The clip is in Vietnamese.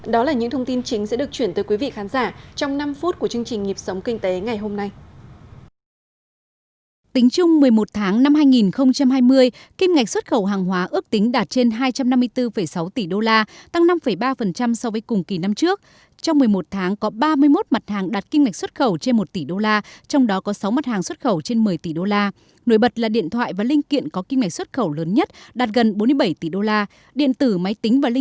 đó là những thông tin chính sẽ được chuyển tới quý vị khán giả trong năm phút của chương trình nhịp sống kinh tế ngày hôm nay